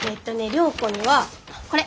涼子にはこれ。